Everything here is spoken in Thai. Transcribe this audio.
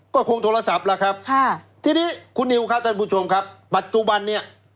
ก็คงโทรศัพท์ล่ะครับค่ะทีนี้คุณนิวครับท่านผู้ชมครับปัจจุบันเนี่ย